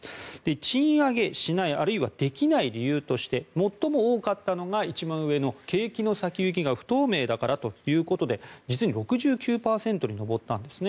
賃上げしないあるいはできない理由として最も多かったのが一番上の景気の先行きが不透明だからということで実に６９％に上ったんですね。